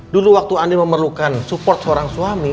dulu waktu andi memerlukan support seorang suami